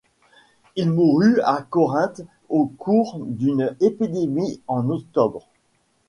Il mourut à Corinthe au cours d'une épidémie en octobre.